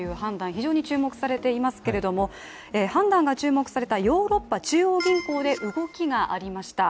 非常に注目されていますけれども判断が注目されたヨーロッパ中央銀行で動きがありました。